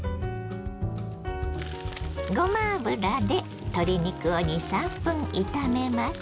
ごま油で鶏肉を２３分炒めます。